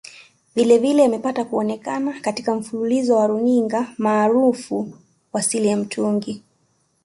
Vilevile amepata kuonekana katika mfululizo wa runinga maarufu wa Siri Ya Mtungi